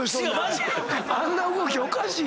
あんな動きおかしい。